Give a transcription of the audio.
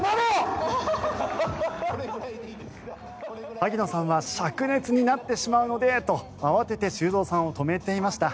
萩野さんはしゃく熱になってしまうのでと慌てて修造さんを止めていました。